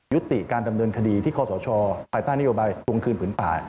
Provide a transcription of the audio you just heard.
ยุติการดำเนินคดีที่คอสชภายใต้นโยบายทวงคืนผืนป่า